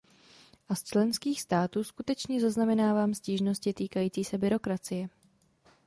A z členských států skutečně zaznamenávám stížnosti týkající se byrokracie.